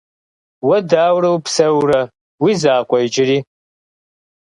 Уэ дауэ упсэурэ? Уи закъуэ иджыри?